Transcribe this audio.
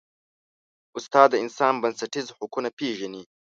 استاد د انسان بنسټیز حقونه پېژني.